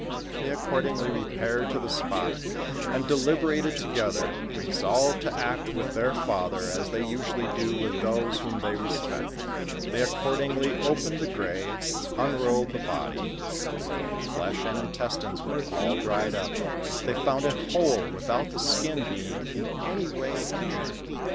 They accordingly repaired to the spot and deliberated to gether, resolved to act with their father, as they usually do with those whom they respect ; they accordingly opened the grave, unrolled the body, and though the flesh and intestines were all dried up, they found it whole without the skin being in any way injured.